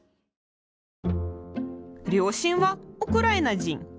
両親はウクライナ人。